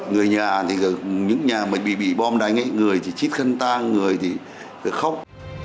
người nhà thì những nhà mà bị bom đánh ấy người thì chết khân tang người thì phải khóc